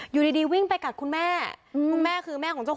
อยู่ดีวิ่งไปกัดคุณแม่คุณแม่คือแม่ของเจ้าของ